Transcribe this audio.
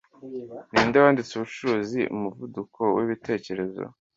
Ninde wanditse 'Ubucuruzi Umuvuduko w'ibitekerezo